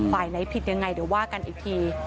ฝ่ายไหนผิดยังไงเดี๋ยวว่ากันอีกที